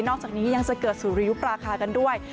อกจากนี้ยังจะเกิดสุริยุปราคากันด้วย